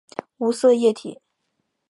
无色液体。